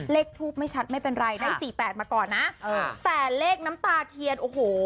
เลขทูปไม่ชัดไม่เป็นไรได้๔๘มาก่อนนะแต่เลขน้ำตาเทียนโอ้โห